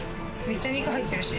めっちゃ肉入ってるし。